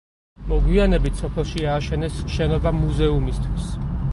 მოგვიანებით სოფელში ააშენეს შენობა მუზეუმისათვის.